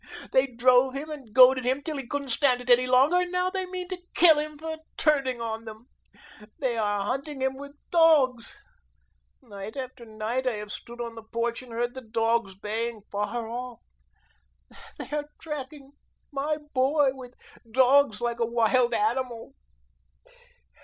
They drove him and goaded him till he couldn't stand it any longer, and now they mean to kill him for turning on them. They are hunting him with dogs; night after night I have stood on the porch and heard the dogs baying far off. They are tracking my boy with dogs like a wild animal.